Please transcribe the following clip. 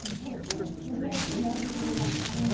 とりあえずうなずいてみます。